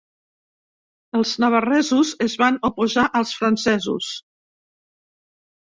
Els navarresos es van oposar als francesos.